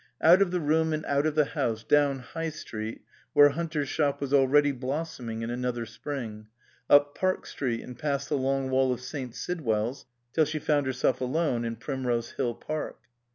Out of the room and out of the house, down High Street, where Hunter's shop was already blos soming in another spring ; up Park Street and past the long wall of St. Sidwell's, till she found herself alone in Primrose Hill Park.